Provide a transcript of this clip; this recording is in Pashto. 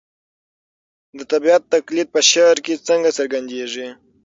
د طبیعت تقلید په شعر کې څنګه څرګندېږي؟